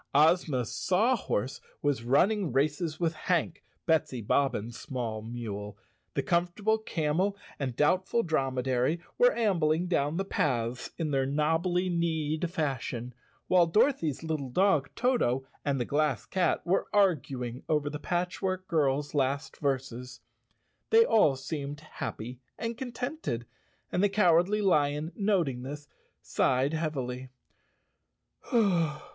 Ozma's Saw Horse was running races with Hank, 98 Chapter Eight Betsy Bobbin's small mule, the Comfortable Camel and Doubtful Dromedary were ambling down the paths in their wobbly kneed fashion, while Dorothy's little dog, Toto, and the Glass Cat were arguing over the Patchwork Girl's last verses. They all seemed happy and contented and the Cowardly Lion, noting this, sighed heavily.